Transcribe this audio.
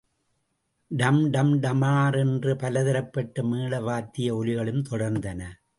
டம்... டம்... டமார் என்று பலதரப்பட்ட மேள வாத்திய ஒலிகளும் தொடர்ந்தன.